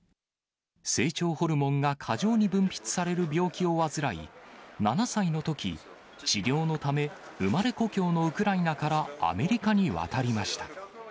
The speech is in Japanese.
成長ホルモンが過剰に分泌される病気を患い、７歳のとき、治療のため、生まれ故郷のウクライナからアメリカに渡りました。